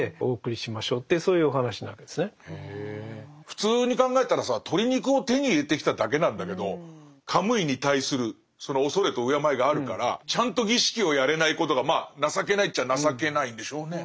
普通に考えたらさ鳥肉を手に入れてきただけなんだけどカムイに対する畏れと敬いがあるからちゃんと儀式をやれないことがまあ情けないっちゃ情けないんでしょうね。